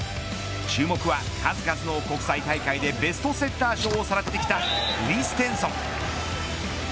注目は、数々の国際大会でベストセッター賞をさらってきたクリステンソン。